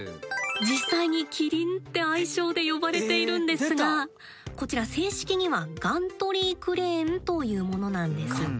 実際に「キリン」って愛称で呼ばれているんですがこちら正式にはガントリークレーン。